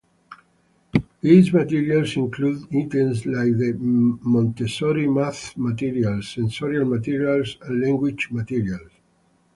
These materials include items like the Montessori math materials, sensorial materials, and language materials.